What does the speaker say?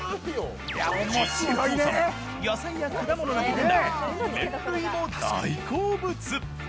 実はゾウさん、野菜や果物だけでなく、麺類も大好物。